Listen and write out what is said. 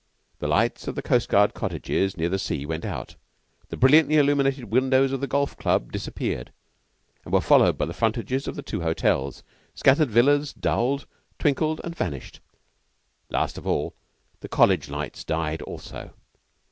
The lights of the Coastguard cottages near the sea went out; the brilliantly illuminated windows of the Golf club disappeared, and were followed by the frontages of the two hotels. Scattered villas dulled, twinkled, and vanished. Last of all, the College lights died also.